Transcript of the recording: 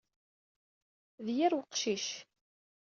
D yir weqcic.